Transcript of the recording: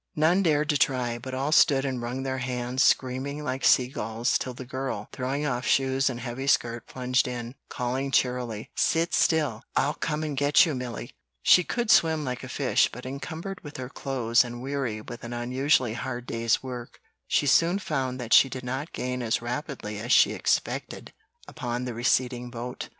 None dared to try, but all stood and wrung their hands, screaming like sea gulls, till the girl, throwing off shoes and heavy skirt plunged in, calling cheerily, "Sit still! I'll come and get you, Milly!" She could swim like a fish, but encumbered with her clothes and weary with an unusually hard day's work, she soon found that she did not gain as rapidly as she expected upon the receding boat.